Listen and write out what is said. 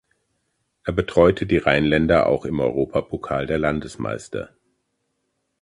Er betreute die Rheinländer auch im Europapokal der Landesmeister.